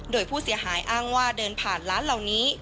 โดยผู้เสียหายอ้างว่าเดินผ่านร้านเหล่านี้